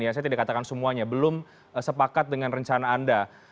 saya tidak katakan semuanya belum sepakat dengan rencana anda